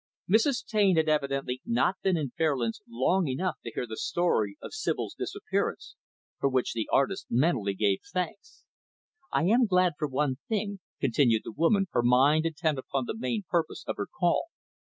Mrs. Taine had evidently not been in Fairlands long enough to hear the story of Sibyl's disappearance for which the artist mentally gave thanks. "I am glad for one thing," continued the woman, her mind intent upon the main purpose of her call.